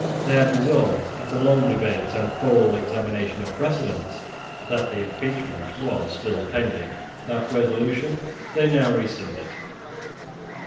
They had resolved, after long debate and full examination of precedents, that the impeachment was still pending. That resolution they now rescinded.